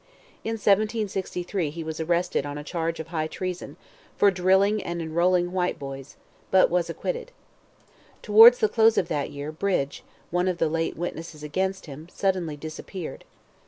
In 1763 he was arrested on a charge of high treason, for drilling and enrolling Whiteboys, but was acquitted. Towards the close of that year, Bridge, one of the late witnesses against him, suddenly disappeared.